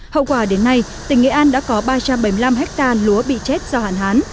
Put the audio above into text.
hậu quả đến nay tỉnh nghệ an đã có ba trăm bảy mươi năm hectare lúa bị chết do hạn hán